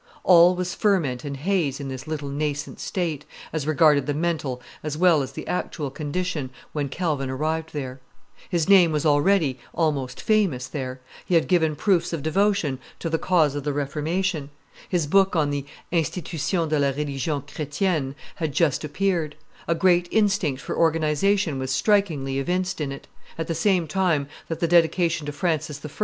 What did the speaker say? All was ferment and haze in this little nascent state, as regarded the mental as well as the actual condition, when Calvin arrived there; his name was already almost famous there; he had given proofs of devotion to the cause of the Reformation; his book on the Institution de la Religion chretienne had just appeared; a great instinct for organization was strikingly evinced in it, at the same time that the dedication to Francis I.